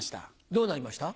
どうなりました？